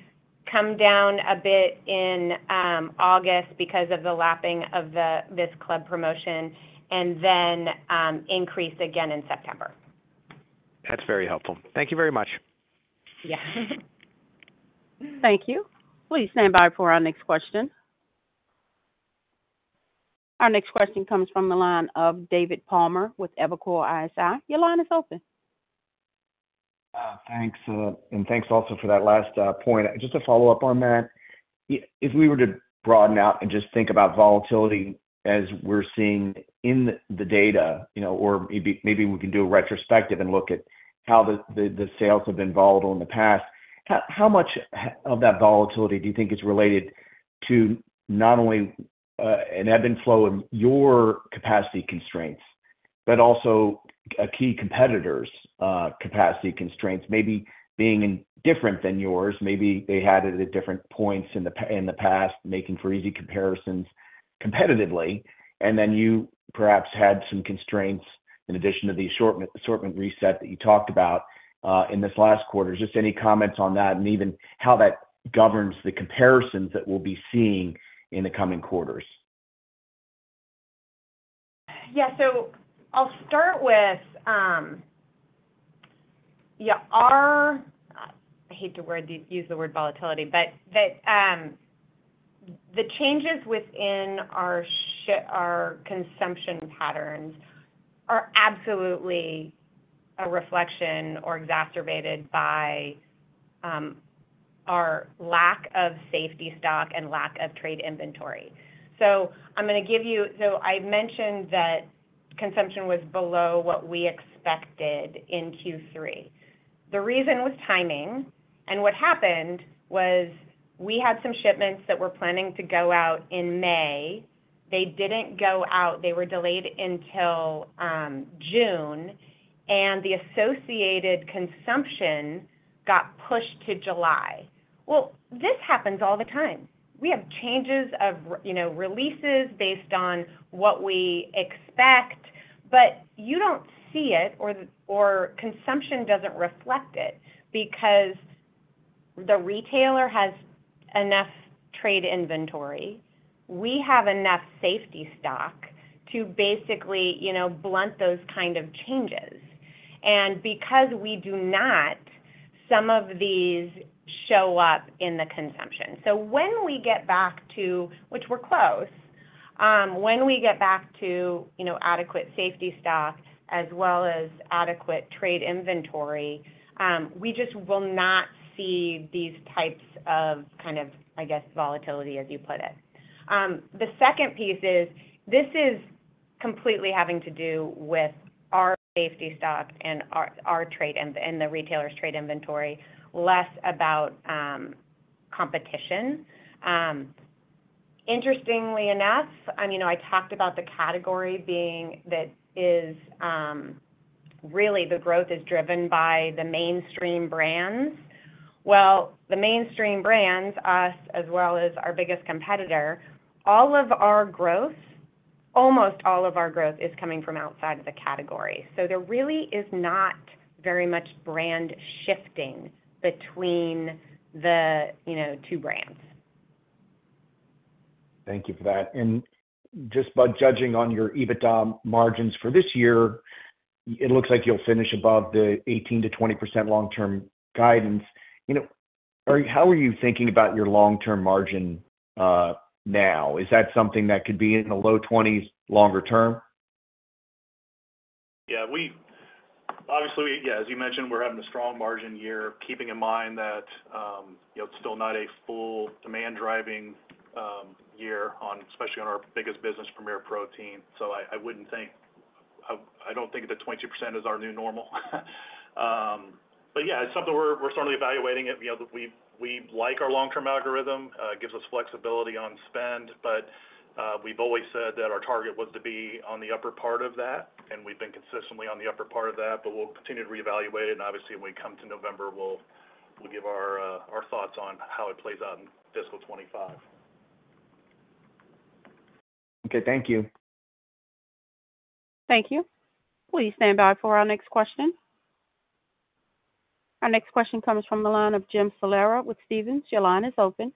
come down a bit in August because of the lapping of this club promotion, and then increase again in September. That's very helpful. Thank you very much. Yeah. Thank you. Please stand by for our next question. Our next question comes from the line of David Palmer with Evercore ISI. Your line is open. Thanks, and thanks also for that last point. Just to follow up on that, if we were to broaden out and just think about volatility as we're seeing in the data, you know, or maybe we can do a retrospective and look at how the sales have been volatile in the past. How much of that volatility do you think is related to not only an ebb and flow of your capacity constraints, but also a key competitor's capacity constraints, maybe being different than yours? Maybe they had it at different points in the past, making for easy comparisons competitively, and then you perhaps had some constraints in addition to the assortment reset that you talked about in this last quarter. Just any comments on that, and even how that governs the comparisons that we'll be seeing in the coming quarters? Yeah. So, I'll start with, yeah, ours. I hate the word, the use of the word volatility, but that, the changes within our consumption patterns are absolutely a reflection or exacerbated by our lack of safety stock and lack of trade inventory. So, I'm gonna give you. So, I mentioned that consumption was below what we expected in Q3. The reason was timing, and what happened was we had some shipments that were planning to go out in May. They didn't go out. They were delayed until June, and the associated consumption got pushed to July. Well, this happens all the time. We have changes of, you know, releases based on what we expect, but you don't see it, or consumption doesn't reflect it, because the retailer has enough trade inventory. We have enough safety stock to basically, you know, blunt those kinds of changes. And because we do not, some of these show up in the consumption. So, when we get back to, which we're close, when we get back to, you know, adequate safety stock as well as adequate trade inventory, we just will not see these types of, kind of, I guess, volatility as you put it. The second piece is, this is completely having to do with our safety stock and our trade inventory and the retailer's trade inventory, less about competition. Interestingly enough, I mean, I talked about the category, that is, really the growth is driven by the mainstream brands. Well, the mainstream brands, us, as well as our biggest competitor, all of our growth, almost all of our growth is coming from outside of the category. There really is not very much brand shifting between the, you know, two brands. Thank you for that. And just by judging on your EBITDA margins for this year, it looks like you'll finish above the 18%-20% long-term guidance. You know, how are you thinking about your long-term margin now? Is that something that could be in the low 20s longer term? Yeah, we obviously, yeah, as you mentioned, we're having a strong margin year, keeping in mind that, you know, it's still not a full demand driving year on, especially on our biggest business, Premier Protein. So I wouldn't think... I don't think that 22% is our new normal. But yeah, it's something we're certainly evaluating it. You know, we like our long-term algorithm, it gives us flexibility on spend, but we've always said that our target was to be on the upper part of that, and we've been consistently on the upper part of that, but we'll continue to reevaluate it. And obviously, when we come to November, we'll give our thoughts on how it plays out in fiscal 2025. Okay, thank you. Thank you. Please stand by for our next question. Our next question comes from the line of Jim Salera with Stephens. Your line is open.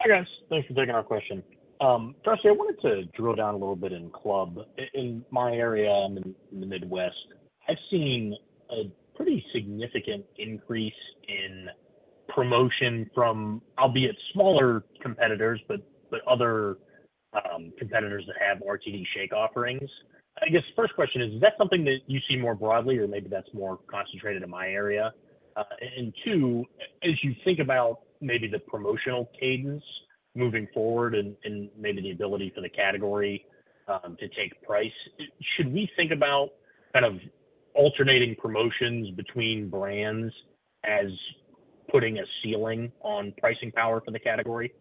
Hi, guys. Thanks for taking our question. Darcy, I wanted to drill down a little bit in club. In my area, in the Midwest, I've seen a pretty significant increase in promotion from albeit smaller competitors, but other competitors that have RTD shake offerings. I guess the first question is, is that something that you see more broadly, or maybe that's more concentrated in my area? And two, as you think about maybe the promotional cadence moving forward and maybe the ability for the category to take price, should we think about kind of alternating promotions between brands as putting a ceiling on pricing power for the category?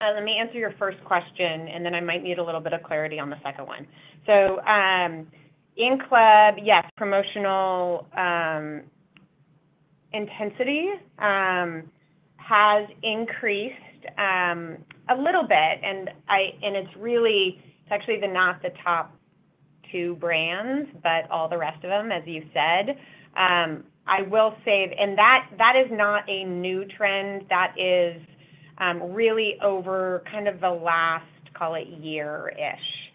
Let me answer your first question, and then I might need a little bit of clarity on the second one. So, in club, yes, promotional intensity has increased a little bit, and it's really, it's actually not the top two brands, but all the rest of them, as you said. I will say, and that, that is not a new trend. That is really over kind of the last, call it, year-ish.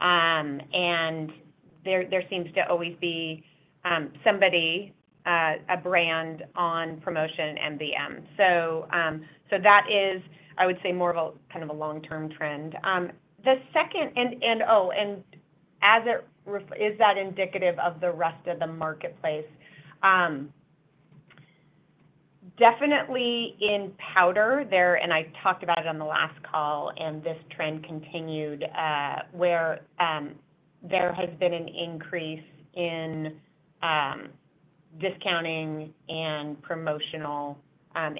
And there, there seems to always be somebody, a brand on promotion and MVM. So, so that is, I would say, more of a kind of a long-term trend. The second... And, and, oh, and as it refl-- is that indicative of the rest of the marketplace? Definitely in powder, there, and I talked about it on the last call, and this trend continued, where there has been an increase in discounting and promotional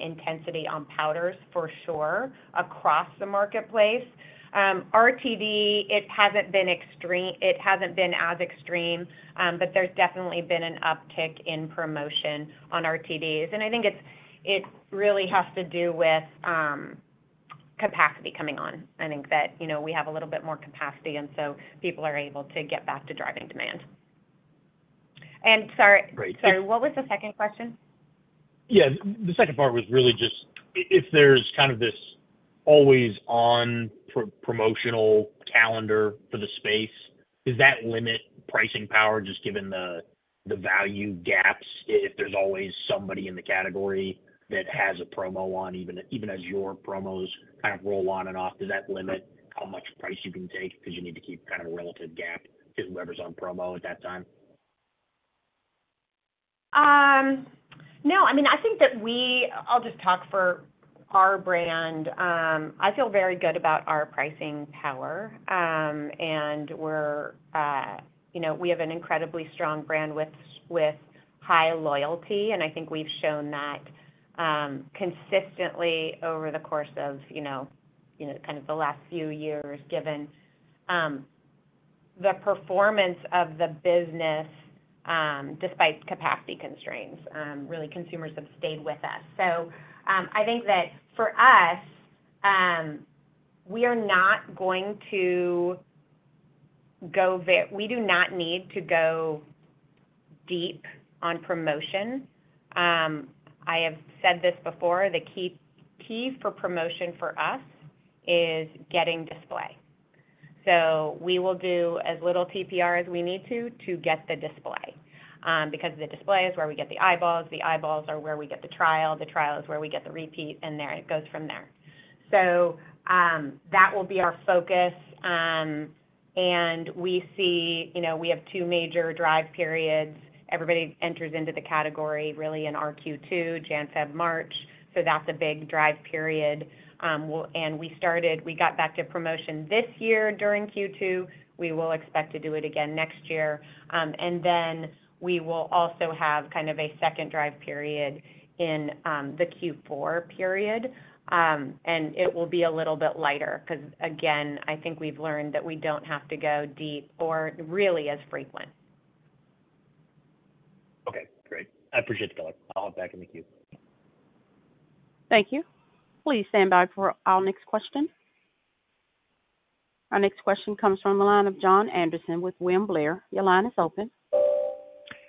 intensity on powders for sure, across the marketplace. RTD, it hasn't been extreme, it hasn't been as extreme, but there's definitely been an uptick in promotion on RTDs. And I think it's; it really has to do with capacity coming on. I think that, you know, we have a little bit more capacity, and so people are able to get back to driving demand. And sorry, sorry, what was the second question? Yeah, the second part was really just if there's kind of this always on promotional calendar for the space, does that limit pricing power, just given the value gaps, if there's always somebody in the category that has a promo on, even as your promos kind of roll on and off, does that limit how much price you can take because you need to keep kind of a relative gap to whoever's on promo at that time? No. I mean, I think that we'll just talk for our brand. I feel very good about our pricing power, and we're, you know, we have an incredibly strong brand with high loyalty, and I think we've shown that consistently over the course of, you know, you know, kind of the last few years, given the performance of the business, despite capacity constraints, really, consumers have stayed with us. So, I think that for us, we are not going to go. We do not need to go deep on promotion. I have said this before, the key for promotion for us is getting display. So we will do as little TPR as we need to, to get the display, because the display is where we get the eyeballs, the eyeballs are where we get the trial, the trial is where we get the repeat, and there, it goes from there. So, that will be our focus. And we see, you know, we have two major drive periods. Everybody enters into the category really in our Q2, January, February, March, so that's a big drive period. And we started, we got back to promotion this year during Q2. We will expect to do it again next year. And then we will also have kind of a second drive period in the Q4 period, and it will be a little bit lighter, because again, I think we've learned that we don't have to go deep or really as frequent. I appreciate the call. I'll hop back in the queue. Thank you. Please stand by for our next question. Our next question comes from the line of Jon Andersen with William Blair. Your line is open.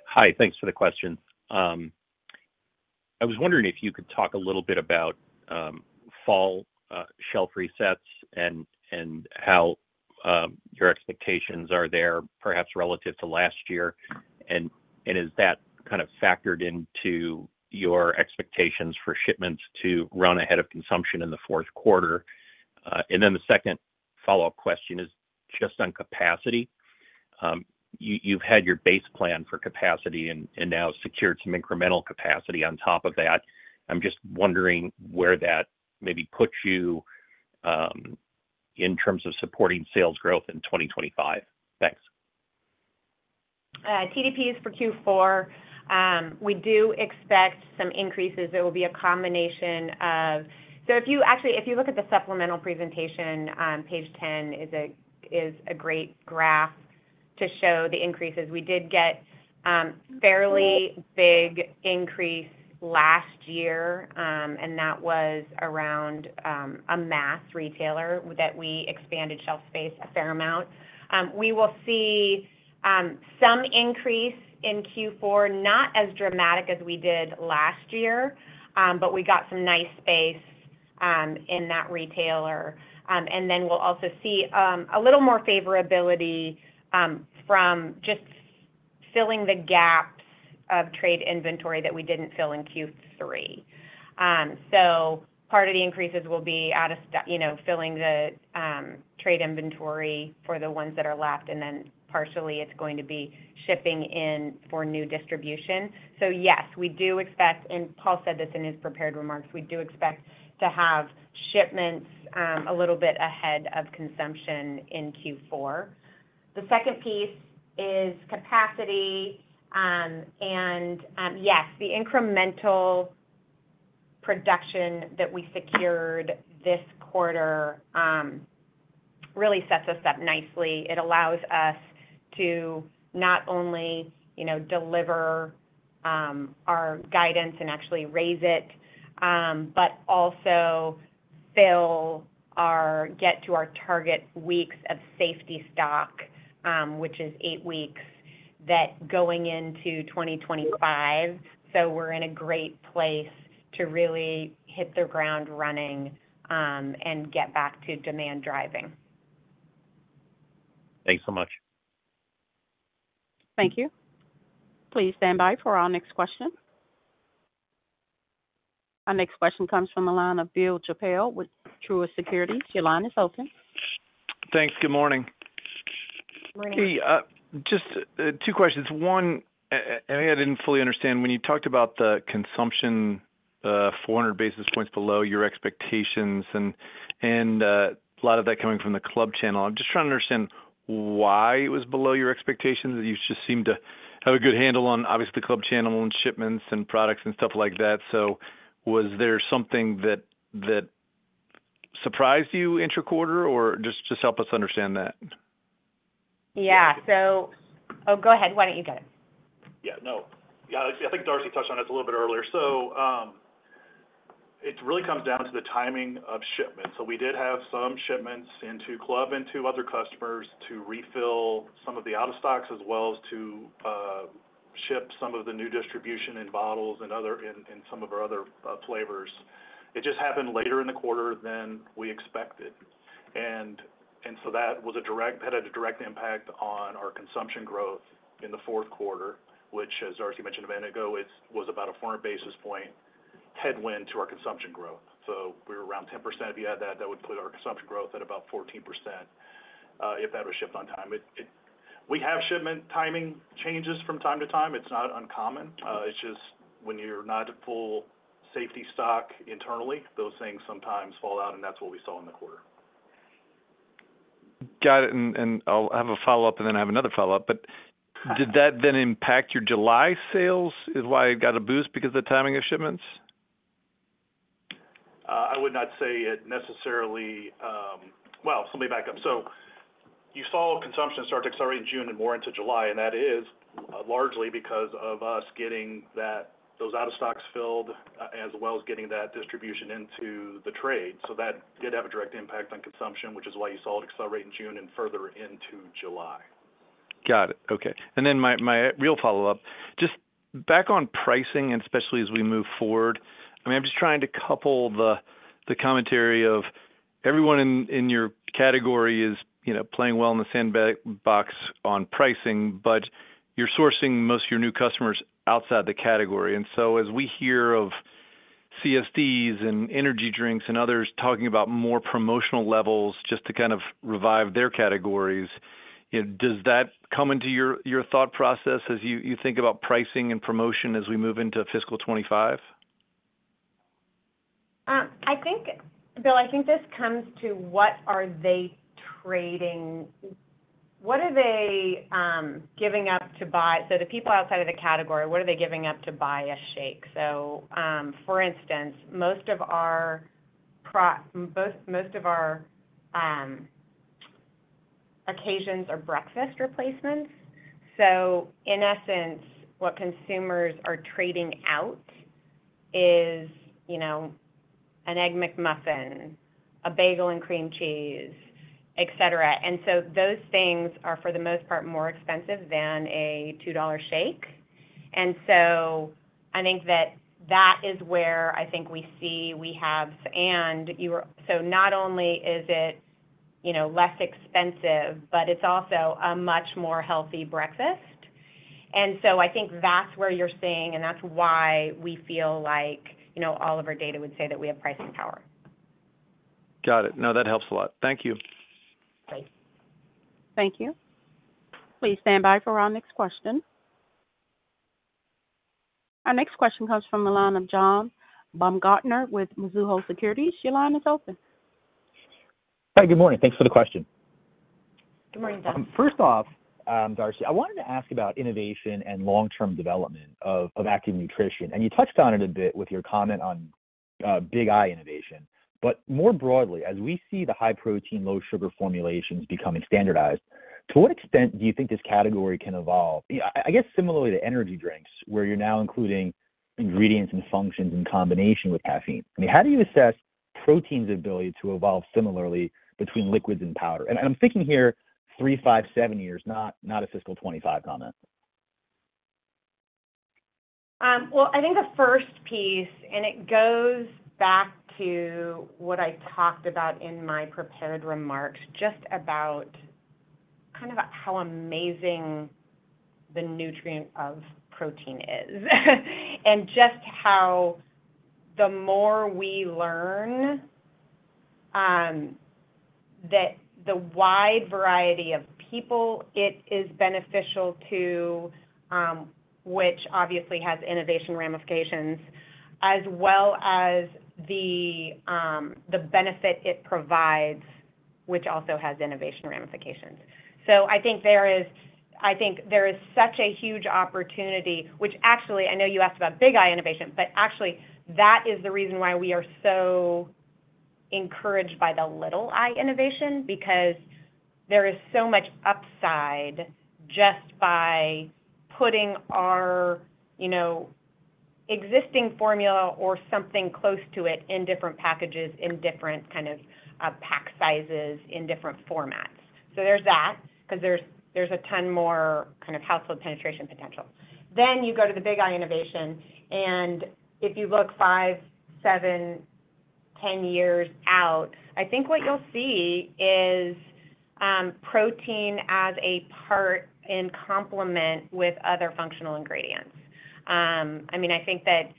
Hi, thanks for the question. I was wondering if you could talk a little bit about fall shelf resets and how your expectations are there, perhaps relative to last year? And is that kind of factored into your expectations for shipments to run ahead of consumption in the 4th quarter? And then the second follow-up question is just on capacity. You've had your base plan for capacity and now secured some incremental capacity on top of that. I'm just wondering where that maybe puts you in terms of supporting sales growth in 2025. Thanks. TDPs for Q4, we do expect some increases. It will be a combination of actually, if you look at the supplemental presentation, page 10 is a great graph to show the increases. We did get fairly big increase last year, and that was around a mass retailer that we expanded shelf space a fair amount. We will see some increase in Q4, not as dramatic as we did last year, but we got some nice space in that retailer. And then we'll also see a little more favorability from just filling the gaps of trade inventory that we didn't fill in Q3. So, part of the increases will be out of, you know, filling the trade inventory for the ones that are left, and then partially, it's going to be shipping in for new distribution. So yes, we do expect, and Paul said this in his prepared remarks, we do expect to have shipments a little bit ahead of consumption in Q4. The second piece is capacity. Yes, the incremental production that we secured this quarter really sets us up nicely. It allows us to not only, you know, deliver our guidance and actually raise it, but also fill our get to our target weeks of safety stock, which is eight weeks, that going into 2025. So, we're in a great place to really hit the ground running and get back to demand driving. Thanks so much. Thank you. Please stand by for our next question. Our next question comes from the line of Bill Chappell with Truist Securities. Your line is open. Thanks. Good morning. Morning. Okay, just two questions. One, maybe I didn't fully understand when you talked about the consumption 400 basis points below your expectations, and a lot of that coming from the club channel. I'm just trying to understand why it was below your expectations. You just seem to have a good handle on, obviously, club channel and shipments and products and stuff like that. So, was there something that surprised you intra-quarter, or just help us understand that? Yeah. So... Oh, go ahead. Why don't you go? Yeah, no. Yeah, I think Darcy touched on this a little bit earlier. So, it really comes down to the timing of shipments. So, we did have some shipments into club and to other customers to refill some of the out-of-stocks, as well as to ship some of the new distribution in bottles and other in some of our other flavors. It just happened later in the quarter than we expected. And so that had a direct impact on our consumption growth in the fourth quarter, which, as Darcy mentioned a minute ago, it was about a 400-basis point headwind to our consumption growth. So, we were around 10%. If you add that, that would put our consumption growth at about 14%, if that were shipped on time. It, we have shipment timing changes from time to time. It's not uncommon. It's just when you're not at full safety stock internally, those things sometimes fall out, and that's what we saw in the quarter. Got it, and I'll have a follow-up, and then I have another follow-up. But did that then impact your July sales? Is why it got a boost because of the timing of shipments? I would not say it necessarily... Well, so let me back up. So, you saw consumption start to accelerate in June and more into July, and that is largely because of us getting that, those out-of-stocks filled, as well as getting that distribution into the trade. So that did have a direct impact on consumption, which is why you saw it accelerate in June and further into July. Got it. Okay. And then my real follow-up, just back on pricing, and especially as we move forward, I mean, I'm just trying to couple the commentary of everyone in your category is, you know, playing well in the sandbox on pricing, but you're sourcing most of your new customers outside the category. And so as we hear of CSDs and energy drinks and others talking about more promotional levels just to kind of revive their categories, you know, does that come into your thought process as you think about pricing and promotion as we move into fiscal 2025? I think, Bill, I think this comes to what are they trading? What are they giving up to buy? So, the people outside of the category, what are they giving up to buy a shake? So, for instance, most of our occasions or breakfast replacements. So, in essence, what consumers are trading out is, you know, an Egg McMuffin, a bagel and cream cheese, et cetera. And so those things are, for the most part, more expensive than a $2 shake. And so, I think that that is where I think we see so not only is it, you know, less expensive, but it's also a much more healthy breakfast. And so I think that's where you're seeing, and that's why we feel like, you know, all of our data would say that we have pricing power. Got it. No, that helps a lot. Thank you. Thanks. Thank you. Please stand by for our next question. Our next question comes from the line of John Baumgartner with Mizuho Securities. Your line is open. Hi, good morning. Thanks for the question. Good morning, John. First off, Darcy, I wanted to ask about innovation and long-term development of active nutrition, and you touched on it a bit with your comment on big "I" innovation. But more broadly, as we see the high protein, low sugar formulations becoming standardized, to what extent do you think this category can evolve? I guess similarly to energy drinks, where you're now including ingredients and functions in combination with caffeine. I mean, how do you assess protein's ability to evolve similarly between liquids and powder? And I'm thinking here 3, 5, 7 years, not a fiscal 2025 comment. Well, I think the first piece, and it goes back to what I talked about in my prepared remarks, just about kind of how amazing the nutrient of protein is. Just how the more we learn that the wide variety of people it is beneficial to, which obviously has innovation ramifications, as well as the benefit it provides, which also has innovation ramifications. So I think there is, I think there is such a huge opportunity, which actually, I know you asked about big I innovation, but actually, that is the reason why we are so encouraged by the little I innovation, because there is so much upside just by putting our, you know, existing formula or something close to it in different packages, in different kind of pack sizes, in different formats. So, there's that, 'cause there's, there's a ton more kind of household penetration potential. Then you go to the Big "I" innovation, and if you look 5, 7, 10 years out, I think what you'll see is, protein as a part in complement with other functional ingredients. I mean, I think that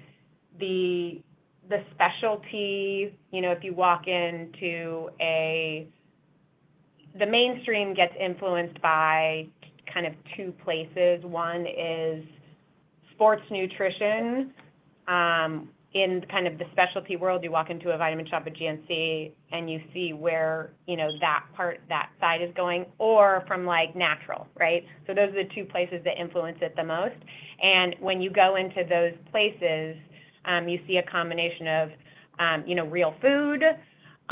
the, the specialty, you know, if you walk into a... The mainstream gets influenced by kind of two places. One is sports nutrition, in kind of the specialty world. You walk into a Vitamin Shoppe, GNC, and you see where, you know, that part, that side is going, or from, like, natural, right? So those are the two places that influence it the most. And when you go into those places, you see a combination of, you know, real food,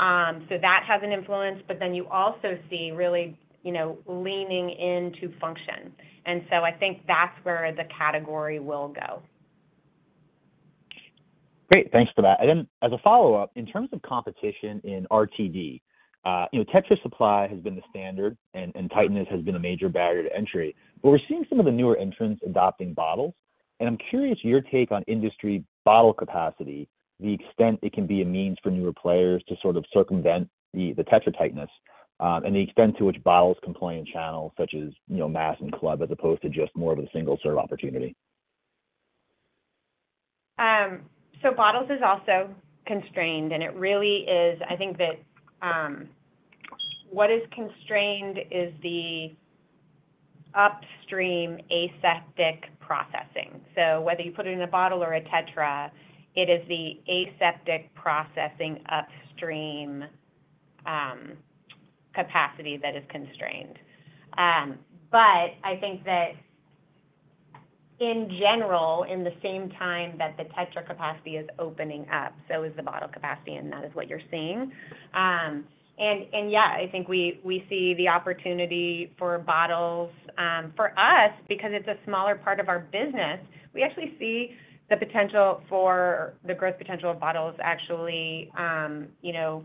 so that has an influence, but then you also see really, you know, leaning into function. And so I think that's where the category will go. Great. Thanks for that. And then, as a follow-up, in terms of competition in RTD, you know, Tetra supply has been the standard and tightness has been a major barrier to entry. But we're seeing some of the newer entrants adopting bottles, and I'm curious your take on industry bottle capacity, the extent it can be a means for newer players to sort of circumvent the Tetra tightness, and the extent to which bottles can play in channels such as, you know, mass and club, as opposed to just more of a single-serve opportunity. So, bottles is also constrained, and it really is. I think that what is constrained is the upstream aseptic processing. So, whether you put it in a bottle or a Tetra, it is the aseptic processing upstream capacity that is constrained. But I think that in general, in the same time that the Tetra capacity is opening up, so is the bottle capacity, and that is what you're seeing. And yeah, I think we see the opportunity for bottles. For us, because it's a smaller part of our business, we actually see the potential for the growth potential of bottles, actually, you know,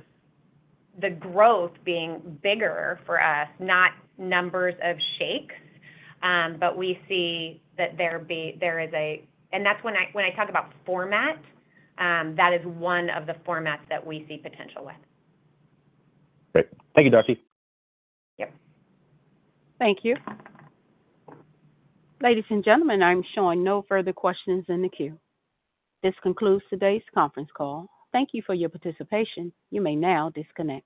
the growth being bigger for us, not numbers of shakes, but we see that there is a... That's when I talk about format, that is one of the formats that we see potential with. Great. Thank you, Darcy. Yep. Thank you. Ladies and gentlemen, I'm showing no further questions in the queue. This concludes today's conference call. Thank you for your participation. You may now disconnect.